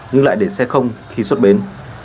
nhưng lại để xe không khi xuất bến